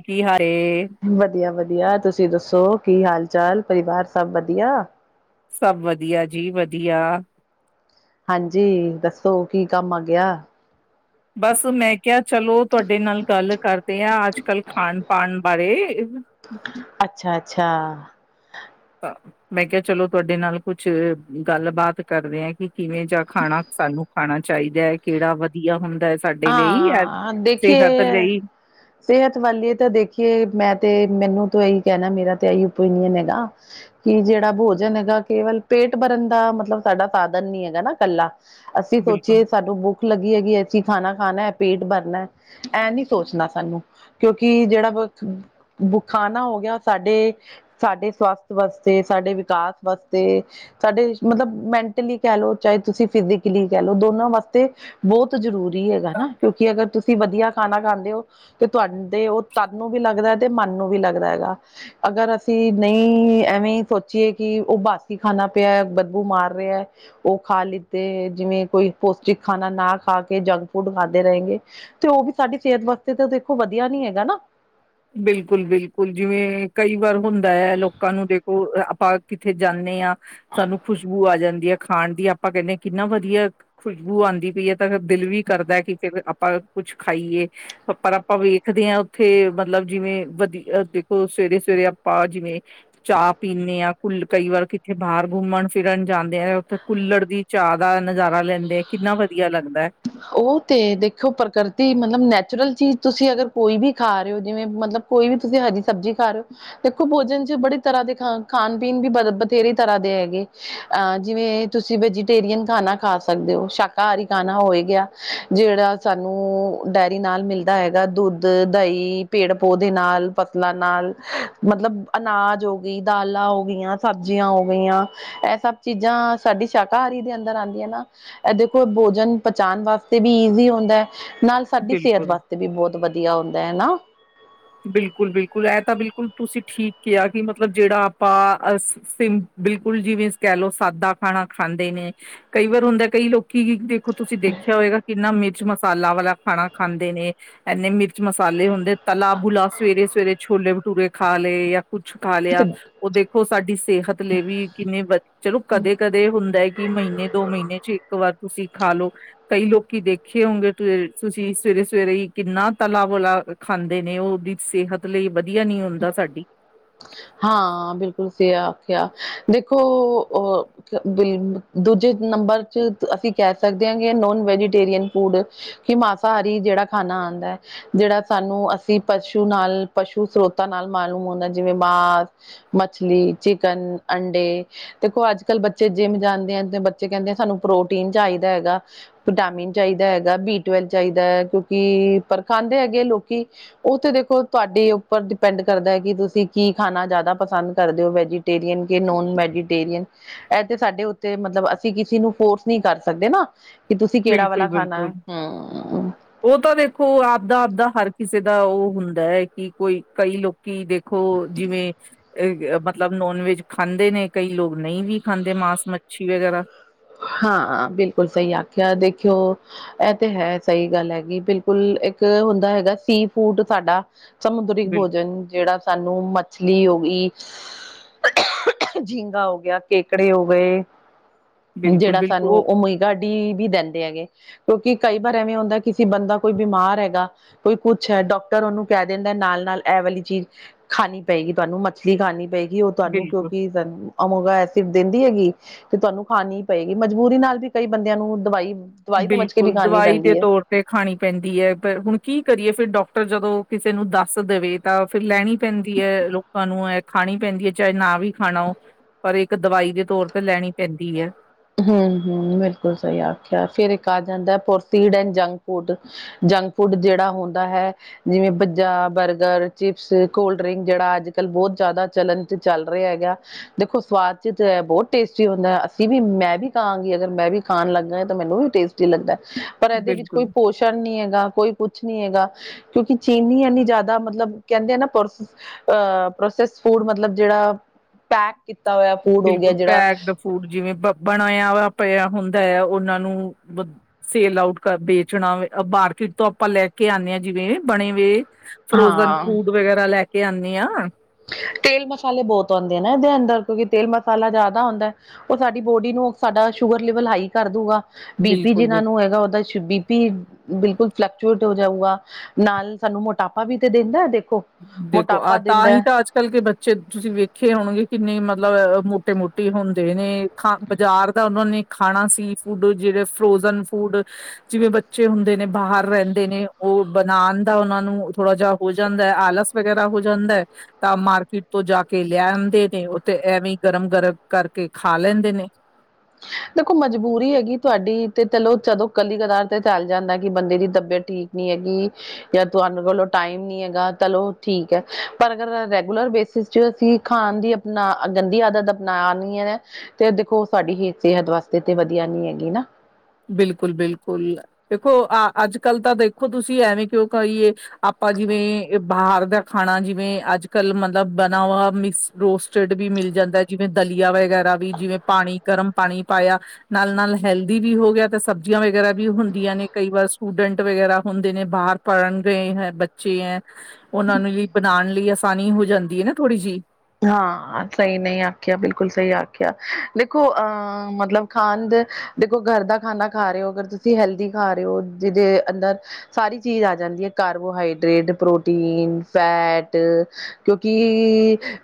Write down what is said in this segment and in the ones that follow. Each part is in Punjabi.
ਕੀ ਹਾਲ ਏ? ਵਧੀਆ- ਵਧੀਆ ਤੁਸੀਂ ਦੱਸੋ। ਕੀ ਹਾਲ ਚਾਲ ਪਰਿਵਾਰ ਸਭ ਵਧੀਆ ਸਭ ਵਧੀਆ ਜੀ ਵਧੀਆ ਹਾਂਜੀ ਦੱਸੋ ਕੀ ਕੰਮ ਆ ਗਿਆ। ਬਸ ਮੈਂ ਕਿਹਾ ਚਲੋ ਤੁਹਾਡੇ ਨਾਲ ਗੱਲ ਕਰਦੇ ਅ ਅੱਜ ਕੱਲ੍ਹ ਖਾਣ ਪਾਣ ਬਾਰੇ ਅੱਛਾ -ਅੱਛਾ ਮੈਂ ਕਿਹਾ ਚਲੋ ਤੁਹਾਡੇ ਨਾਲ ਕੁਛ ਗੱਲਬਾਤ ਕਰਦੇ ਆ ਕਿ ਕਿਵੇਂ ਜਾ ਖਾਣਾ ਸਾਨੂੰ ਖਾਣਾ ਚਾਹੀਦਾ ਹੈ ਕਿਹੜਾ ਵਧੀਆ ਹੁੰਦ ਆਂ ਦੇਖੀਏ। ਲਈ ਸਿਹਤ ਵੱਲੀ ਤਾਂ ਦੇਖੀਏ ਮੈਂ ਤੇ ਮੈਨੂੰ ਤੋਂ ਹੀ ਕਹਿਣਾ ਮੇਰਾ ਤੇ ਇਹੀ ਓਪੀਨੀਅਨ ਹੈਗਾ ਕਿ ਜਿਹੜਾ ਭੋਜਨ ਹੈਗਾ ਕੇਵਲ ਪੇਟ ਭਰਨ ਦਾ ਮਤਲਬ ਸਾਡਾ ਸਾਧਨ ਨੀ ਹੈਗਾ ਨਾ ਇਕੱਲਾ ਅਸੀਂ ਬਿਲਕੁਲ ਸੋਚੀਏ ਸਾਨੂੰ ਭੁੱਖ ਲੱਗੀ ਹੈਗੀ ਅਸੀ ਖਾਣਾ ਖਾਣਾ ਹੈ ਪੇਟ ਭਰਨਾ ਇਹ ਨੀ ਸੋਚਣਾ ਸਾਨੂੰ ਕਿਉਂਕਿ ਜਿਹੜਾ ਬੁਖਾਨਾ ਹੋ ਗਿਆ ਸਾਡੇ- ਸਾਡੇ ਸਵਾਸਥ ਵਾਸਤੇ ਸਾਡੇ ਵਿਕਾਸ ਵਾਸਤੇ ਸਾਡੇ ਮਤਲਬ ਮੈਂਟਲੀ ਕਹਿ ਲਓ, ਚਾਹੇ ਤੁਸੀਂ ਫਿਜੀਕਲੀ ਕਹਿ ਲਓ, ਦੋਨਾਂ ਵਾਸਤੇ ਬਹੁਤ ਜ਼ਰੂਰੀ ਨਹੀਂ ਹੋਏਗਾ ਨਾ ਕਿਉਂਕਿ ਅਗਰ ਤੁਸੀਂ ਵਧੀਆ ਖਾਣਾ ਖਾਂਦੇ ਹੋ, ਤੇ ਤੁਹਾਡੇ ਉਹ ਤਨ ਨੂੰ ਵੀ ਲੱਗਦਾ ਤੇ ਮਨ ਵੀ ਲੱਗਦਾ ਹੈਗਾ ਅਗਰ ਅਸੀਂ ਨਹੀਂ ਐਵੇਂ ਹੀ ਸੋਚੀਏ ਕਿ ਉਹ ਬਾਸੀ ਖਾਣਾ ਪਿਆ ਬਦਬੂ ਮਾਰ ਰਿਹਾ ਹੈ, ਉਹ ਖਾ ਲਿੱਤੇ ਜਿਵੇਂ ਕੋਈ ਪੌਸ਼ਟਿਕ ਖਾਣਾ ਨਾ ਖਾ ਕੇ ਜਗ ਫੂਡ ਖਾਦੇ ਰਹੇਗੇ ਤੇ ਉਹ ਵੀ ਸਾਡੀ ਸਿਹਤ ਵਾਸਤੇ ਤਾਂ ਦੇਖੋ ਵਧੀਆ ਨੀ ਹੈਗਾ ਨਾ। ਬਿਲਕੁਲ -ਬਿਲਕੁਲ ਜਿਵੇਂ ਕਈ ਵਾਰ ਹੁੰਦਾ ਹੈ, ਲੋਕਾਂ ਨੂੰ ਦੇਖੋ। ਆਪਾਂ ਕਿੱਥੇ ਜਾਂਣੇ ਹਾਂ ਸਾਨੂੰ ਖੁਸ਼ਬੂ ਆ ਜਾਂਦੀ। ਖਾਣ ਦੀ ਆਪਾਂ ਕਹਿੰਦੇ ਹਾਂ ਕਿੰਨਾ ਵਧੀਆ ਖੁਸ਼ਬੂ ਆਉਂਦੀ ਪਈ ਹੈ, ਤਾਂ ਦਿਲ ਵੀ ਕਰਦਾ ਕਿ ਫਿਰ ਆਪਾਂ ਕੁਛ ਖਾਈਏ ਪਰ ਆਪਾਂ ਵੇਖਦੇ ਹਾਂ ਉੱਥੇ ਮਤ ਲਬ ਜਿਵੇਂ ਵਧੀ ਦੇਖੋ ਸਵੇਰੇ -ਸਵੇਰੇ ਆਪਾਂ ਜਿਵੇਂ ਚਾਹ ਪੀਂਣੇ ਹਾਂ, ਕੁੱਲ ਕਈ ਵਾਰ ਕਿੱਥੇ ਬਾਹਰ ਘੁੰਮਣ ਫਿਰਨ ਜਾਂਦੇ ਆ, ਉੱਥੇ ਕੁੂੱਲੜ ਦੀ ਚਾਹ ਦਾ ਨਜ਼ਾਰਾ ਲੈਂਦੇ ਆ, ਕਿੰਨਾ ਵਧੀਆ ਲੱਗਦਾ ਹੈ। ਉਹ ਤੇ ਦੇਖੋ ਪ੍ਰਕਿਰਤੀ ਮਤਲਬ ਨੈਚੁਰਲ ਚੀਜ਼ ਤੁਸੀਂ ਅਗਰ ਕੋਈ ਵੀ ਖਾ ਰਹੇ ਹੋ ਜਿਵੇਂ ਮਤਲਬ ਕੋਈ ਵੀ ਤੁਸੀਂ ਹਰੀ ਸਬਜ਼ੀ ਖਾ ਰਹੇ ਹੋ, ਦੇਖੋ ਭੋਜਨ 'ਚ ਬੜੀ ਤਰ੍ਹਾਂ ਦੇ ਖ ਖਾਣ ਪੀਣ ਵੀ ਬਥੇਰੀ ਤਰ੍ਹਾਂ ਖਾਂਦੇ ਹੈਗੇ ਅਹ ਜਿਵੇਂ ਤੁਸੀਂ ਵੈਜੀਟੇਰੀਅਨ ਖਾਣਾ ਖਾ ਸਕਦੇ ਹੋ, ਸ਼ਾਕਾਹਾਰੀ ਖਾਣਾ ਹੋਵੇਗਾ। ਗਿਆ ਜੇਹੜਾ ਸਾਨੂੰ ਡਾਇਰੀ ਨਾਲ ਮਿਲਦਾ ਹੈਗਾ ਦੁੱਧ, ਦਹੀਂ, ਪੇੜ, ਪੌਧੇ। ਨਾਲ ਫਸਲਾਂ ਨਾਲ ਮਤਲਬ ਅਨਾਜ ਹੋ ਗਈ, ਦਾਲਾਂ ਹੋ ਗਈਆਂ, ਸਬਜ਼ੀਆਂ ਹੋ ਗਈਆਂ। ਇਹ ਸਭ ਚੀਜ਼ਾਂ ਸਾਡੀ ਸ਼ਾਕਾਹਾਰੀ ਦੇ ਅੰਦਰ ਆਂਦੀਆਂ ਨਾ, ਇਹ ਦੇਖੋ ਭੋਜਨ ਪਚਾਣ ਵਾਸਤੇ ਵੀ ਈਜ਼ੀ ਹੁੰਦਾ ਹੈ, ਨਾਲ ਸਾਡੀ ਸੇਹਤ ਬਿਲਕੁਲ ਵਾਸਤੇ ਵੀ ਬਹੁਤ ਵਧੀਆ ਹੁੰਦਾ ਹੈ ਨਾ। ਬਿਲਕੁਲ ਬਿਲਕੁਲ ਇਹ ਤਾਂ ਬਿਲਕੁਲ ਤੁਸੀਂ ਠੀਕ ਕਿਹਾ ਆ ਕਿ ਮਤਲਬ ਜੇਹੜਾ ਆਪਾਂ ਅ ਬਿਲਕੁਲ ਜਿਵੇਂ ਕਹਿ ਲੋਓ ਸਾਦਾ ਖਾਣਾ ਖਾ ਜਾਂਦੇ ਨੇ ਕਈ ਵਾਰ ਹੁੰਦਾ ਕਈ ਲੋਕੀ ਦੇਖੋ ਤੁਸੀਂ ਦੇਖਿਆ ਹੋਏਗਾ ਕਿੰਨਾ ਮੈਦਾ ਮਿਰਚ ਮਸਾਲਾ ਵਾਲਾ ਖਾਣਾ ਖਾਂਦੇ ਨੇ ਏਨੇ ਮਿਰਚ ਮਸਾਲੇ ਹੁੰਦੇ ਤਲਾ ਬੁਲਾ ਸਵੇਰੇ ਸਵੇਰੇ ਛੋਲੇ ਬਟੂਰੇ ਖਾ ਲਏ ਯਾ ਕੁਛ ਖਾ ਲਿਆ। ਤੇ ਉਹ ਦੇਖੋ ਸਾਡੀ ਸੇਹਤ ਲਈ ਵੀ ਕਿੰਨੇ ਚਲੋ ਕਦੇ ਕਦੇ ਹੁੰਦਾ ਹੈ ਕਿ ਮਹੀਨੇ ਦੋ ਮਹੀਨੇ ਚ ਇੱਕ ਵਾਰ ਤੁਸੀਂ ਖਾ ਲੋ ਕਈ ਲੋਕੀ ਦੇਖੇ ਹੋਂਗੇ ਤੁਸੀਂ ਸਵੇਰੇ ਸਵੇਰੇ ਹੀ ਕਿੰਨਾ ਤਲਾ ਵਲਾ ਖਾ ਖਾਂਦੇ ਨੇ ਉਹ ਵੀ ਸੇਹਤ ਲਈ ਵਧੀਆ ਨੀ ਹੁੰਦਾ ਸਾਡੀ। ਹਾਂ, ਬਿਲਕੁਲ ਸੀ ਆਖਿਆ ਦੇਖੋ ਅ ਬ ਦੂਜੇ ਨੰਬਰ ਚ ਅਸੀਂ ਕਹਿ ਸਕਦੇ ਹਾਂ ਕਿ ਨੋਨ ਵੈਜੀਟੇਰੀਅਨ ਫੂਡ ਕਿ ਮਾਸਾਹਾਰੀ ਜੇੜਾ ਖਾਨਾ ਆਂਦਾ ਜੇੜਾ ਸਾਨੂੰ ਅਸੀਂ ਪਸ਼ੂ ਨਾਲ ਪਸ਼ੂ ਸਰੋਤਾਂ ਨਾਲ ਮਾਲੂਮ ਹੁੰਂਦਾ ਜਿਵੇਂ ਮਾਸ ਮੱਛਲੀ, ਚਿਕਨ, ਅੰਡੇ ਦੇਖੋ। ਅੱਜ ਕੱਲ ਬੱਚੇ ਜਿੰਮ ਜਾਂਦੇ ਆ ਤੇ ਬੱਚੇ ਕਹਿੰਦੇ ਸਾਨੂੰ ਪ੍ਰੋਟੀਨ ਚਾਹੀਦਾ ਹੈਗਾ। ਵਿਟਾਮਿਨ ਚਾਹੀਦਾ ਹੈਗਾ। ਬੀ ਟਵਲਵ ਚਾਹੀਦਾ ਹੈ। ਕਿਉਂਕਿ ਪਰ ਖਾਂਦੇ ਹੈਗੇ ਲੋਕੀ ਉਹ ਤੇ ਦੇਖੋ ਤੁਹਾਡੇ ਉੱਪਰ ਡਿਪੈਂਡ ਕਰਦਾ ਹੈ ਕਿ ਤੁਸੀਂ ਕੀ ਖਾਣਾ ਜ਼ਿਆਦਾ ਪਸੰਦ ਕਰਦੇ ਹੋ ਵੈਜੀਟੇਰੀਅਨ ਕਿ ਨੋਨ ਵੈਜੀਟੇਰੀਅਨ। ਇਹ ਤੇ ਸਾਡੇ ਉੱਤੇ ਮਤਲਬ ਅਸੀਂ ਕਿਸੇ ਨੂੰ ਫੋਰਸ ਨਹੀਂ ਕਰ ਸਕਦੇ ਨਾ। ਕਿ ਤੁਸੀਂ ਕਿਹੜਾ ਬਿਲਕੁਲ, ਵਾਲਾ ਖਾਣਾ ਬਿਲਕੁਲ। ਹੈ। ਹਮ ਉਹ ਤਾ ਦੇਖੋ ਆਪਦਾ ਆਪਦਾ ਹਰ ਕਿਸੇ ਦਾ ਉਹ ਹੁੰਦਾ ਹੈ ਕਿ ਕੋਈ ਕਈ ਲੋਕੀ ਦੇਖੋ ਜਿਵੇਂ ਅ ਮਤਲਬ ਨੋਨ ਵੈਜ ਖਾਂਦੇ ਨੇ। ਕਈ ਲੋਕ ਨਹੀਂ ਵੀ ਖਾਂਦੇ। ਮਾਸ- ਮੱਛੀ ਵਗੈਰਾ ਹਾਂ, ਬਿਲਕੁਲ ਸਹੀ ਆਖਿਆ ਦੇਖੋ ਇਹ ਤੇ ਹੈ ਸਹੀ ਗੱਲ ਹੈਗੀ। ਬਿਲਕੁਲ। ਇੱਕ ਹੁੰਦਾ ਹੈਗਾ ਸੀ- ਫੂਡ ਸਾਡਾ ਸਮੁੰਦਰੀ ਬਿਲ ਭੋਜਨ ਜੇੜਾ ਸਾਨੂੰ ਮਛਲੀ ਹੋ ਗਈ, ਝੀਗਾਾ ਹੋਗਿਆ, ਕੇਕੜੇ ਹੋ ਗਏ। ਜੇੜਾ ਬਿਲਕੁਲ-ਬਿਲਕੁਲ ਸਾਨੂੰ ਉਹ ਓਮੇਗਾ ਡੀ ਵੀ ਦਿੰਦੇ ਹੈਗੇ। ਕਿਉਂਕਿ ਕਈ ਵਾਰ ਐਵੇਂ ਹੁੰਦਾ ਕਿ ਬੰਦਾ ਕੋਈ ਬਿਮਾਰ ਹੈਗਾ ਕੋਈ ਕੁੱਛ ਹੈ ਡਾਕਟਰ ਉਹਨੂੰ ਕਹਿ ਦੇਂਦਾ ਨਾਲ- ਨਾਲ ਇਹ ਵਾਲੀ ਚੀਜ਼ ਖਾਣੀ ਪਏਗੀ ਤੁਹਾਨੂੰ। ਮੱਛਲੀ ਖਾਣੀ ਪਏਗੀ ਉਹ ਤੁਹਾਨੂੰ ਬਿਲਕੁਲ। ਕਿਉਂਕਿ ਓਮੇਗਾ ਐਸਿਡ ਦੇਂਦੀ ਹੈਗੀ ਤੇ ਤੁਹਾਨੂੰ ਖਾਣੀ ਪਏਗੀ। ਮਜਬੂਰੀ ਨਾਲ ਵੀ ਕਈ ਬੰਦਿਆਂ ਨੂੰ ਦਵਾਈ ਦਵਾਈ ਸਮਝ ਕੇ ਵੀ ਬਿਲਕੁਲ ਖਾਣੀ ਦਵਾਈ ਦੇ ਪੈਂਦੀ ਹੈ ਤੌਰ ਤੇ ਖਾਣੀ ਪੈਂਦੀ ਐ ਪਰ ਹੁਣ ਕੀ ਕਰੀਏ? ਫਿਰ ਡਾਕਟਰ ਜਦੋਂ ਕਿਸੇ ਨੂੰ ਦੱਸ ਦੇਵੇ ਤਾਂ ਫਿਰ ਲੈਣੀ ਪੈਂਦੀ ਹੈ ਲੋਕਾਂ ਨੂੰ ਇਹ ਖਾਣੀ ਪੈਂਦੀ ਐ। ਚਾਹੇ ਨਾ ਵੀ ਖਾਣਾ ਉਹ ਪਰ ਇੱਕ ਦਵਾਈ ਦੇ ਤੌਰ ਤੇ ਲੈਣੀ ਪੈਂਦੀ ਐ। ਹੂੰ, ਹੂੰ। ਬਿਲਕੁਲ ਸਹੀ ਆਖਿਆ ਫਿਰ ਇੱਕ ਆ ਜਾਂਦਾ [unintelligible] ਜੰਕ ਫੂਡ। ਜੰਕ ਫੂੱਡ ਜੇੜਾ ਹੁੰਦਾ ਹੈ। ਜਿਵੇਂ pizza, burger, chips, cold drink. ਜੇੜਾ ਅੱਜ ਕੱਲ੍ਹ ਬਹੁਤ ਜ਼ਿਆਦਾ ਚਲਣ ਚ ਚੱਲ ਰਿਹਾ ਹੈਗਾ। ਦੇਖੋ ਸਵਾਦ ਚ ਤਾਂ ਹੈ ਬਹੁਤ ਟੇਸਟੀ ਹੁੰਦਾ। ਅਸੀਂ ਵੀ ਵੀ ਮੈਂ ਵੀ ਕਹਾਂਗੀ ਅਗਰ ਮੈਂ ਵੀ ਖਾਣ ਲੱਗਾ ਤਾਂ ਮੈਨੂੰ ਵੀ ਟੇਸਟੀ ਲੱਗਦਾ। ਪਰ ਇਹਦੇ ਵਿੱਚ ਬਿਲਕੁਲ ਕੋਈ ਪੋਸ਼ਣ ਨੀ ਹੈਗਾ ਕੋਈ ਕੁਛ ਨਹੀਂ ਹੈਗਾ। ਕਿਉਂਕਿ ਚੀਨੀ ਐਨੀ ਜ਼ਿਆਦਾ ਮਤਲਬ ਕਹਿੰਦੇ ਆ ਨਾ ਪ੍ਰੋਸੈਸ ਫੂਡ ਮਤਲਬ ਜੇੜਾ ਪੈਕ ਕੀਤਾ ਹੋਇਆ ਫੂਡ ਹੋ ਗਿਆ ਜੇੜਾ ਬਨਾਯਾ ਹੋਯਾ ਪਿਆ ਹੁੰਦਾ ਐ। ਉਹਨਾਂ ਨੂੰ ਸੇਲ ਆਊਟ ਵੇਚਣਾ [unintelligible] ਤੋਂ ਆਪਾਂ ਲੈ ਕੇ ਆਨੇ ਆਂ ਜਿਵੇਂ ਬਣੇ ਹੋਏ। ਫਰੋਜਨ ਹਾਂ ਫੂਟ ਵਗੈਰਾ ਲੈ ਕੇ ਆਨੀ ਆ। ਤੇਲ ਮਸਾਲੇ ਬਹੁਤ ਆਉਂਦੇ ਐ ਨਾ ਇਹਦੇ ਅੰਦਰ। ਕਿਉਂਕਿ ਤੇਲ ਮਸਾਲਾ ਜ਼ਿਆਦਾ ਹੁੰਦਾ ਹੈ। ਉਹ ਸਾਡੀ ਬੋਡੀ ਨੂੰ ਸਾਡਾ ਸ਼ੂਗਰ ਲੈਵਲ ਹਾਈ ਕਰਦੂਗਾ। ਬੀਪੀ ਬਿਲਕੁਲ ਜਿਹਨਾਂ ਬਿਲਕੁਲ ਨੂੰ ਹੈਗਾ ਉਹਦਾ ਬੀ ਕੀ, ਬਿਲਕੁਲ ਫਲਕਚੁਏਟ ਹੋ ਜਾਊਗਾ। ਨਾਲ ਸਾਨੂੰ ਮੋਟਾਪਾ ਵੀ ਤੇ ਦਿੰਦਾ ਐ। ਦੇਖੋ। ਆ ਤਾਂਈ ਤਾਂ ਅੱਜ ਕਲ ਕੇ ਬੱਚੇ ਤੁਸੀਂ ਵੇਖੇ ਹੋਣਗੇ ਕਿੰਨੇ ਮਤਲਬ ਮੋਟੇ ਮੋਟੀ ਹੁੰਦੇ ਨੇ ਖਾ ਬਾਜ਼ਾਰ ਉਹ ਨੇ ਖਾਣਾ ਸੀ ਫੂਡ, ਜਿਹੜੇ ਫਰੋਜਨ ਫੂਡ ਜਿਵੇਂ ਬੱਚੇ ਹੁੰਦੇ ਨੇ ਬਾਹਰ ਰਹਿੰਦੇ। ਦੇਨੇ ਉਹ ਬਣਾਉਣ ਦਾ ਉਹਨਾ ਨੂੰ ਥੋੜਾ ਜਿਹਾ ਹੋ ਜਾ ਜਾਂਦਾ। ਆਲਸ ਵਗੈਰਾ ਹੋ ਜਾਂਦਾ ਹੈ। ਤਾਂ ਮਾਰਕੀਟ ਤੋਂ ਜਾ ਕੇ ਲੈ ਆਦੇ ਨੇ। ਉੱਥੇ ਐਵੇਂ ਗਰਮ ਗਰਮ ਕਰਕੇ ਖਾ ਲੈਂਦੇ ਨੇ। ਦੇਖੋ ਮਜਬੂਰੀ ਹੈਗੀ ਤੁਹਾਡੀ, ਤੇ ਚਲੋ ਜਦੋ ਕੱਲੀ- ਕਦਾਰ ਤੇ ਚੱਲ ਜਾਂਦਾ। ਕਿ ਬੰਦੇ ਦੀ ਤਬੀਅਤ ਠੀਕ ਨੀ ਹੈਗੀ, ਜਾਂ ਤੁਹਾਨੂੰ ਕੋਲੋਂ ਟਾਈਮ ਨੀ ਹੈਗਾ ਚਲੋ ਠੀਕ ਹੈ। ਪਰ ਅਗਰ ਰੈਗੂਲਰ ਬੇਸਿਸ ਜਦੋ ਤੁਸੀਂ ਖਾਣ ਦੀ ਅਪਣਾ ਗੰਦੀ ਆਦਤ ਅਪਣਾਣੀ ਹੈ। ਤੇ ਦੇਖੋ ਤੁਹਾਡੀ ਹੀ ਸਿਹਤ ਵਾਸਤੇ ਤੇ ਵਧੀਆ ਨੀ ਹੈਗੀ ਨਾ। ਬਿਲਕੁਲ- ਬਿਲਕੁਲ ਦੇਖੋ। ਅ ਅੱਜ -ਕੱਲ ਤਾਂ ਦੇਖੋ ਤੁਸੀਂ ਐਵੇਂ ਆਪਾਂ ਜਿਵੇਂ, ਏ ਬਾਹਰ ਦਾ ਖਾਣਾ। ਜਿਵੇਂ-ਅੱਜ-ਕੱਲ੍ਹ ਮਤਲਬ ਬਣਾ ਹੁਆ ਮਿਕਸ ਰੋਸਟਰਡ ਮਿਲ ਜਾਂਦਾ। ਜਿਵੇਂ-ਦਲ ਚੀਆ ਵਗੈਰਾ ਵੀ ਜਿਵੇਂ-ਪਾਣੀ ਗਰਮ ਪਾਣੀ ਪਾਇਆ ਨਾਲ ਨਾਲ ਹੈਲਦੀ ਵੀ ਹੋ ਗਿਆ। ਤਾਂ ਸਬਜ਼ੀਆਂ ਵਗੈਰਾ ਵੀ ਹੁੰਦੀਆਂ ਨੇ, ਕਈ ਵਾਰ ਸਟੂਡੈਂਟ ਵਗੈਰਾ ਹੁੰਦੇ ਨੇ, ਬਾਹਰ ਪੜ੍ਹਨ ਗਏ ਹੈ। ਬੱਚੇ ਏ, ਉਹਨਾਂ ਨੂੰ ਵੀ ਬਣਾਉਣ ਲਈ ਆਸਾਨੀ ਹੋ ਜਾਂਦੀ ਹੈਨਾ ਥੋੜੀ ਜਿਹੀ। ਹਾਂ! ਸਹੀ ਨਹੀਂ ਆਖਿਆ, ਬਿਲਕੁਲ ਸਹੀ ਆਖਿਆ। ਦੇਖੋ ਅਹ-ਮਤਲਬ ਖਾਨ ਦੇ ਦੇਖੋ ਘਰ ਦਾ ਖਾਨਾ ਖਾ ਰਹੇ ਓ। ਅਗਰ ਤੁਸੀਂ ਹੈਲਦੀ ਖਾ ਰਹੇ ਓ। ਜਿਹਦੇ ਅੰਦਰ ਸਾਰੀ ਚੀਜ਼ ਆ ਹੋ ਜਾਂਦੀ ਹੈ। ਕਾਰਬੋਹਾਈਡਰੇੇਟ, ਪ੍ਰੋਟੀਨ, ਫੈਟ ਕਿਉਂਕਿ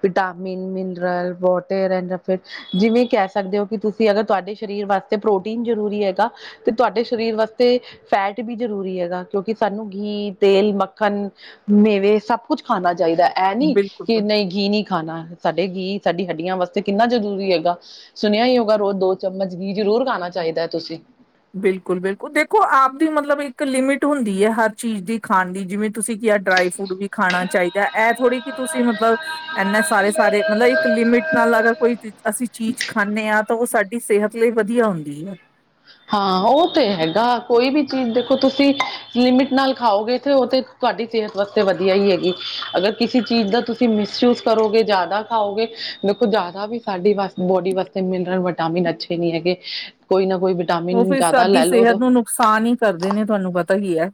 ਵਿਟਾਮਿਨ ਮਿਨਰਲ ਵੋਟਰ ਯਾ ਫਿਰ ਜਿਵੇਂ, ਕਹਿ ਸਕਦੇ ਹੋ ਕਿ ਤੁਸੀਂ ਅਗਰ ਤੁਹਾਡੇ ਸਰੀਰ ਵਾਸਤੇ, ਤੇ ਪ੍ਰੋਟੀਨ ਜ਼ਰੂਰੀ ਹੈਗਾ ਤੇ, ਤੁਹਾਡੇ ਸਰੀਰ ਵਾਸਤੇ ਫੈਟ ਵੀ ਜ਼ਰੂਰੀ ਹੈਗਾ ਕਿਉਂਕਿ ਸਾਨੂੰ। ਘੀ, ਤੇਲ, ਮੱਖਣ, ਮੇਵੇ ਸਭ ਕੁਝ ਖਾਣਾ ਚਾਹੀਦਾ ਐ। ਐਨੀ, ਬਿਲਕੁਲ ਕਿ ਨੀ ਘੀ ਨੀ ਸਾਡੇ ਘੀ ਸਾਡੀ ਹੱਡੀਆਂ ਵਾਸਤੇ ਕਿੰਨਾ ਜ਼ਰੂਰੀ ਹੈਗਾ। ਸੁਣਿਆ ਹੀ ਹੋਊਗਾ ਰੋਜ਼ ਦੋ ਚਮਚ ਘੀ ਜ਼ਰੂਰ ਖਾਣਾ ਚਾਹੀਦਾ। ਤੁਸੀਂ ਬਿਲਕੁਲ- ਬਿਲਕੁਲ ਦੇਖੋ ਆਪ ਦੀ ਮਤਲਬ ਇੱਕ ਲਿਮਿਟ ਹੁੰਦੀ ਏ, ਹਰ ਚੀਜ਼ ਦੀ ਖਾਣ ਦੀ, ਜਿਵੇਂ ਤੁਸੀਂ ਕੀ ਆ ਡਰਾਈ ਫਰੂਟ ਵੀ ਖਾਣਾ ਚਾਹੀਦਾ। ਇਹ ਥੋੜੀ ਕਿ ਤੁਸੀਂ ਮਤਲਬ ਐਨਾ ਸਾਰੇ -ਸਾਰੇ ਮਤਲਬ ਇੱਕ ਲਿਮਿਟ ਨਾਲ ਅਗਰ ਕੋਈ ਅਸੀਂ ਚੀਜ਼ ਖਾਂਨੇ ਆ। ਤਾਂ ਉਹ ਸਾਡੀ ਸਿਹਤ ਲਈ ਵਧੀਆ ਹੁੰਦੀ ਐ। ਹਾਂ। ਉਹ ਤੇ ਹੈਗਾ, ਕੋਈ ਵੀ ਚੀਜ਼ ਦੇਖੋ ਤੁਸੀਂ ਲਿਮਿਟ ਨਾਲ ਖਾਓਗੇ ਤੇ ਉ ਤੇ। ਤੁਹਾਡੀ ਸਿਹਤ ਵਾਸਤੇ ਵਧੀਆ ਹੀ ਹੈਗੀ। ਅਗਰ ਕਿਸੇ ਚੀਜ਼ ਦਾ ਤੁਸੀਂ ਮਿਸਯੂਜ ਕਰੋਗੇ, ਜ਼ਿਆਦਾ ਖਾਓਗੇ ਦੇਖੋ। ਜ਼ਿਆਦਾ ਵੀ ਸਾਡੀ ਬੋਡੀ ਵਾਸਤੇ ਮਿਨਰਲ, ਵਿਟਾਮਿਨ ਅੱਛੇ ਨਹੀਂ ਹੈਗੇ। ਕੋਈ ਨਾ ਕੋਈ ਉਹ ਵਿਟਾਮਿਨ ਫਿਰ ਜ਼ਿਆਦਾ ਸਾਡੀ ਲੈ ਸਿਹਤ ਲਓ ਨੂੰ ਨੁਕਸਾਨ ਹੀ ਕਰਦੇ ਨੇ ਤੁਹਾਨੂੰ ਪਤਾ ਈ ਐ।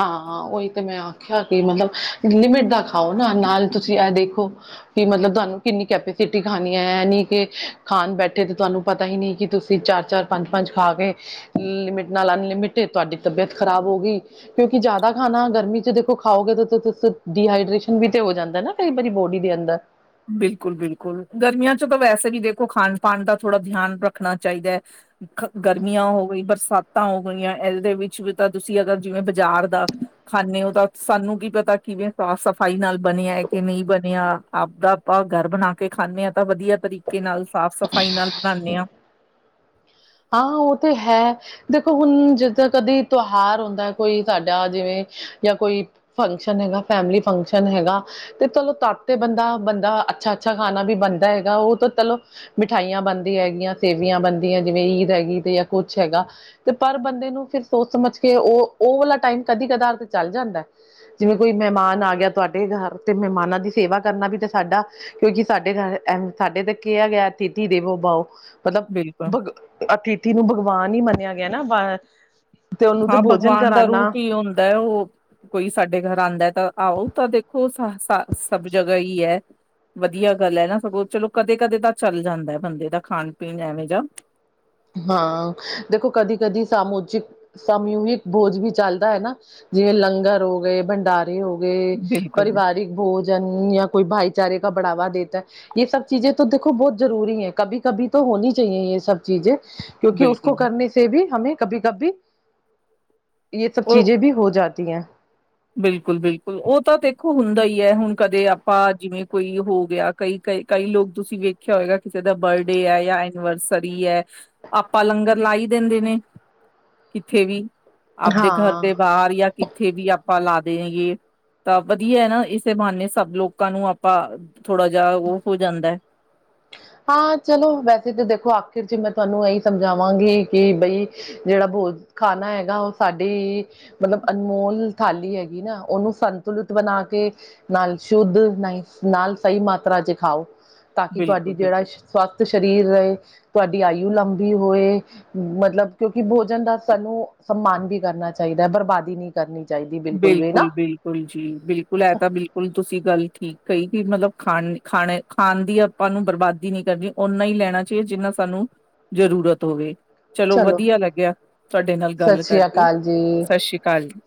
ਹਾਂ-ਹਾਂ। ਉਹੀ ਤੇ ਮੈਂ ਆਖਿਆ ਕਿ ਮਤਲਬ ਲਿਮਿਟ ਦਾ ਖਾਓ ਨਾ। ਨਾਲ ਤੁਸੀਂ ਇਹ ਦੇਖੋ, ਕਿ ਮਤਲਬ ਤੁਹਾਨੂੰ ਕਿੰਨੀ ਕੈਪੈਸਿਟੀ ਖਾਣੀ ਐ। ਕੇਖਾਣ ਬੈਠੇ ਤੇ ਤੁਹਾਨੂੰ ਪਤਾ ਹੀ ਨਹੀਂ ਕਿ, ਤੁਸੀਂ ਚਾਰ -ਚਾਰ ਪੰਜ-ਪੰਜ ਖਾ ਕੇ ਲਿਮਿਟ ਨਾ ਅਨਲਿਮਿਟ ਤੁਹਾਡੀ ਤਬੀਅਤ ਖਰਾਬ ਹੋ ਗਈ। ਕਿਉਂਕਿ, ਜਿਆਦਾ ਖਾਣਾ ਗਰਮੀ ਚ ਦੇਖੋ ਖਾਓਗੇ ਤਾਂ। ਡੀਹਾਈਡ੍ਰੇਸ਼ਨ ਵੀ ਤੇ ਹੋ ਜਾਂਦਾ ਨਾ ਕਈ ਵਾਰੀ ਬੋ ਈਦੇ ਅੰਦਰ ਬਿਲਕੁਲ -ਬਿਲਕੁਲ ਗਰਮੀਆਂ ਚ ਤਾਂ ਵੈਸੇ ਵੀ ਦੇਖੋ ਖਾਣ ਪਣ ਦਾ ਥੋੜਾ ਧਿਆਨ ਰੱਖਣਾ ਚਾਹੀਦਾ ਐ। ਗਰਮੀਆਂ ਹੋ ਗਈ, ਬਰਸਾਤਾਂ ਹੋ ਗਈਆਂ। ਇਹਦੇ ਵਿੱਚ ਵੀ ਤਾਂ ਤੁਸੀਂ ਅਗਰ ਜਿਵੇਂ ਬਾਜ਼ਾਰ ਦਾ ਖਾਂਨੇ ਓ ਤਾਂ। ਸਾਨੂੰ ਕੀ ਪਤਾ ਕਿਵੇਂ ਸਾਫ਼ ਸਫ਼ਾਈ ਨਾਲ ਬਣਿਆ ਹੈ। ਕਿ ਨਹੀਂ ਬਣਿਆ ਤਾਂ ਆਪਾਂ ਘਰ ਬਣਾ ਕੇ ਖਾਂਨੇ ਆ। ਤਾਂ ਵਧੀਆ ਤਰੀਕੇ ਨਾਲ ਸਾਫ਼- ਸਫ਼ਾਈ ਨਾਲ ਬਣਾਦੇ ਆ। ਹਾਂ। ਉਹ ਤੇ ਹੈ ਦੇਖੋ, ਹੁਣ ਜਿੱਦਾਂ ਕਦੀ ਤਿਉਹਾਰ ਹੁੰਦਾ। ਕੋਈ ਸਾਡਾ ਜਿਵੇਂ ਜਾਂ, ਕੋਈ ਫੰਕਸ਼ਨ ਹੈਗਾ। ਫੈਮਲੀ ਫੰਕਸ਼ਨ ਹੈਗਾ। ਤੇ ਚਲੋ ਤਦ ਤੇ ਬੰਦਾ -ਬੰਦਾ ਅੱਛਾ- ਅੱਛਾ ਖਾਣਾ ਵੀ ਬਣਦਾ ਹੈਗਾ। ਉਹ ਤਾਂ ਚਲੋ ਮਿਠਾਈਆਂ ਬਣਦੀ ਹੈਗੀਆਂ, ਸੇਵੀਆਂ ਬਣਦੀਆਂ ਜਿਵੇਂ ਈਦ ਹੈਗੀ, ਤੇ ਜਾਂ ਕੁਛ ਹੈਗਾ ਤੇ ਪਰ ਬੰਦੇ ਨੂੰ ਫਿਰ ਸੋਚ ਸਮਝ ਕੇ ਉਹ-ਉਹ ਵਾਲਾ ਟਾਈਮ ਕਦੀ ਕਦੀ-ਕਦਾਰ ਤੇ ਚੱਲ ਜਾਂਦਾ, ਜਿਵੇਂ ਕੋਈ ਮਹਿਮਾਨ ਆ ਗਿਆ। ਤੁਹਾਡੇ ਘਰ, ਮਿਹਮਾਨਾ ਦੀ ਸੇਵਾ ਕਰਨਾ ਵੀ ਸਾਡ ਸਾਡਾ ਕਿਉਂਕਿ ਸਾਡੇ ਘਰ। ਸਾਡੇ ਤੇ ਕਿਹਾ ਗਿਆ। ਅਥੀਤੀ ਦੇਵੋ ਬਓ। ਮਤਲਬ ਬਿਲਕੁਲ ਭਗ ਅਤੀਥੀ ਨੂੰ ਭਗਵਾਨ ਹੀ ਮੰਨਿਆ ਗਿਆ ਨਾ ਬਾ ਹਾਂ ਭਗਵਾਨ ਦਾ ਰੂਪ ਹੀ ਹੁੰਦਾ ਹੈ ਉਹ ਕੋਈ ਸਾਡੇ ਘਰ ਆਂਦਾ ਤਾਂ ਆਹੋ ਤਾਂ ਦੇਖੋ ਸ ਸ ਸਭ ਜਗ੍ਹਾ ਈ ਏ। ਵਧੀਆ ਗੱਲ ਹੈ ਨਾ ਸਗੋਂ ਚਲੋ ਕਦੇ- ਕਦੇ ਤਾਂ ਚੱਲ ਜਾਂਦਾ ਬੰਦੇ ਦਾ ਖਾਣ ਪੀਣ ਐਵੇਂ ਜ ਹਾਂ ਦੇਖੋ ਕਦੀ -ਕਦੀ ਸਾਮੂਜਿਕ ਜ ਸਮੂਹਿਕ ਭੋਜ ਵੀ ਚੱਲਦਾ ਹੈ ਨਾ ਜਿਵੇਂ ਲੰਗਰ ਹੋ ਗਏ ਭੰਡਾਰੇ ਹੋ ਗਏ ਬਿਲਕੁਲ, ਪਰਿਵਾਰਿਕ ਭੋਜਨ ਜਾਂ ਕੋਈ ਭਾਈਚਾਰੇ ਕ ਬੜਾਵਾ ਦੇਤਾ ਹੈ। ਇਹ ਸਭ ਚੀਜ਼ੇ ਤਾਂ ਦੇਖੋ ਬਹੁਤ ਜ਼ਰੂਰੀ ਹੈ। ਕਭੀ -ਕਭੀ ਤਾਂ ਹੋਣੀ। ਚਾਹੀਏ ਇਹ ਸਭ ਚੀਜ਼ੇ ਕਿਉਂਕਿ ਉਸਕ ਬਿਲਕੁਲ ਕਰਨੇ ਵੀ ਹਮੇ ਕਭੀ- ਕਭੀ ਇਹ ਸਭ ਚੀਜ਼ੇ ਵੀ ਹੋ ਜਾਤੀ ਹੈਂ। ਬਿਲਕੁਲ -ਬਿਲਕੁਲ ਉਹ ਤਾਂ ਦੇਖੋ ਹੁੰਦਾ ਹੀ ਹੈ ਹੁਣ ਕਦੇ ਆਪਾਂ ਜਿਵੇਂ ਕੋਈ ਹੋ ਗਿਆ ਕਈ ਕਈ ਲੋਕ ਤੁਸੀਂ ਵੇਖਿਆ ਹੋਏਗਾ ਕਿਸੇ ਦਾ ਬਰਡੇ ਹੈ ਜਾਂ ਐਨੀਵਰਸਰੀ ਹੈ ਆਪਾਂ ਲੰਗਰ ਲ ਆਈ ਦਿੰਦੇ ਨੇ ਕਿੱਥੇ ਵੀ ਆਪਦੇ ਘਰ ਦੇ ਬਾਹਰ ਜਾਂ ਕਿੱਥੇ ਵੀ ਆ ਆਪਾਂ ਲਾ ਦੇਗੇ ਹੇਗੇ। ਤਾਂ ਵਧੀਆ ਹੈ ਨਾ ਇਸੇ ਬਹਾਨੇ ਸਭ ਲੋਕਾਂ ਨੂੰ ਆਪਾਂ ਥੋੜਾ ਜਿਹਾ ਉਹ ਹੋ ਜਾਂਦਾ ਹੈ। ਹਾਂ ਚਲੋ ਵੈਸੇ ਤਾਂ ਦੇਖੋ ਆਖਿਰ 'ਚ ਮੈਂ ਤੁਹਾਨੂੰ ਇਹੀ ਸਮਝਾਵਾਂਗੀ ਕਿ ਬਈ ਜਿਹੜਾ ਉਹ ਖਾਣਾ ਹੈਗਾ ਉਹ ਸਾਡੀ ਮਤਲਬ ਅਨਮੋਲ ਥਾਲੀ ਹੈਗੀ ਨਾ ਉਹਨੂੰ ਸੰਤੁਲਿਤ ਬਣਾ ਕੇ ਨਾਲ ਸ਼ੁੱਧ ਨਾਲ ਨਹੀਂ ਸਹੀ ਮਾਤਰਾ 'ਚ ਖਾਓ। ਤਾਂ ਕਿ ਤੁਹਾਡੀ ਬਿਲਕੁਲ-ਬਿਲਕੁਲ ਜਿਹੜਾ ਸਵਾਰਥ ਸਰੀਰ ਰਹੇ। ਤੁਹਾਡੀ ਆਯੂ ਲੰਬੀ ਹੋਏ ਮਤਲਬ ਕਿਉਂਕਿ ਭੋਜਨ ਦਾ ਸਾਨੂੰ ਸਨਮਾਨ ਵੀ ਕਰਨਾ ਚਾਹੀ ਬਰਬਾਦੀ ਨਹੀਂ ਕਰਨੀ। ਚਾਹੀਦੀ ਵੀ ਨਾ ਬਿਲਕੁਲ -ਬਿਲਕੁਲ ਜੀ ਬਿਲਕੁਲ ਇਹ ਤਾਂ ਬਿਲਕੁਲ ਤੁਸੀਂ ਗੱਲ ਠੀਕ ਕਹੀ ਕਿ ਮਤਲਬ ਖਾਣੀ ਖਾਣੇ ਖਾਣ ਦੀ ਆਪਾਂ ਨੂੰ ਬਰਬਾਦੀ ਨਹੀਂ ਕਰਨੀ ਓਨਾ ਹੀ ਲੈਣਾ ਚਾਹੀਦਾ ਜਿੰਨਾ ਸਾਨੂੰ ਜ਼ਰੂਰ ਜ਼ਰੂਰਤ ਹੋਵੇ। ਚਲੋ ਵਧੀਆ ਲੱਗਿਆ ਤੁਹਾਡੇ ਨਾਲ ਸਤਿ ਗੱਲ ਸ੍ਰੀ ਕਰਕੇ ਅਕਾਲ ਜੀ ਸਤਿ ਸ੍ਰੀ ਅਕਾਲ ਜੀ।